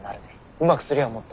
うまくすりゃもっと。